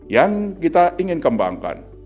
yang kita ingin kembangkan